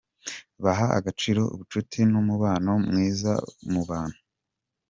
Baha agaciro ubucuti n’umubano mwiza mu bantu.